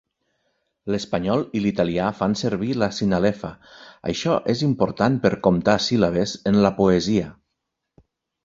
L'espanyol i l'italià fan servir la sinalefa; això és important per comptar síl·labes en la poesia.